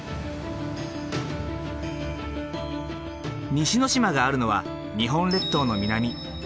西之島があるのは日本列島の南。